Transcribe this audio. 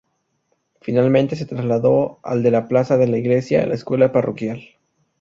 Finalmente se trasladó a la de la plaza de la Iglesia, la Escuela Parroquial.